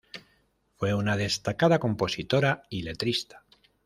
Fue una destacada compositora y letrista.